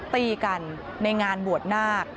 ตีกันในงานบวชนาค